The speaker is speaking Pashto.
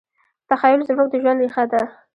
تخیل زموږ د ژوند ریښه ده.